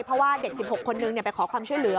เพราะว่าเด็ก๑๖คนนึงไปขอความช่วยเหลือ